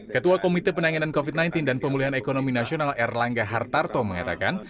ketua komite penanganan covid sembilan belas dan pemulihan ekonomi nasional erlangga hartarto mengatakan